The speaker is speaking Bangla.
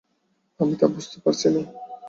আমি তা বুঝতে পারছি না।